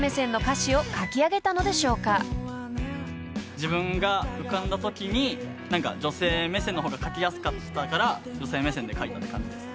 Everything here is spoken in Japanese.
自分が浮かんだときに女性目線の方が書きやすかったから女性目線で書いたって感じですね。